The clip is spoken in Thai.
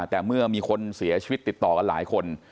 แต่เมื่อมีคนเสียชีวิตติดต่อกันหลายคน